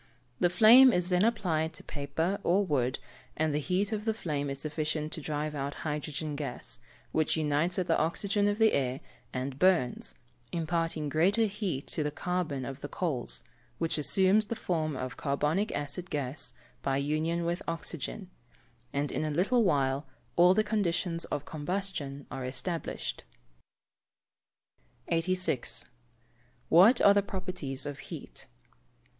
The flame is then applied to paper or wood, and the heat of the flame is sufficient to drive out hydrogen gas, which unites with the oxygen of the air, and burns, imparting greater heat to the carbon of the coals, which assumes the form of carbonic acid gas by union with oxygen, and in a little while all the conditions of combustion are established. 86. _What are the properties of heat?